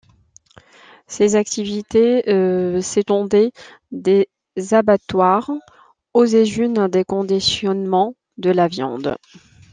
Ses activités s'étendaient des abattoirs aux usines de conditionnement de la viande.